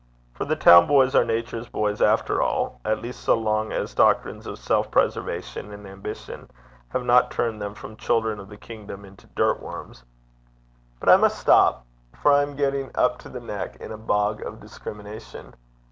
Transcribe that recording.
For the town boys are Nature's boys after all, at least so long as doctrines of self preservation and ambition have not turned them from children of the kingdom into dirt worms. But I must stop, for I am getting up to the neck in a bog of discrimination.